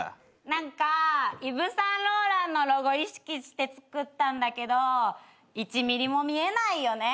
何かイヴ・サンローランのロゴ意識してつくったんだけど１ミリも見えないよね。